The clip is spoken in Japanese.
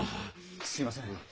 すいません。